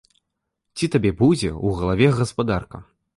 Ці табе будзе ў галаве гаспадарка?